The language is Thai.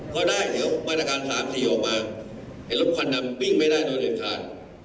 ก็ได้เดี๋ยวมาตรการสามสี่ออกมาให้รถควันน้ำวิ่งไม่ได้โดยเดือนคาด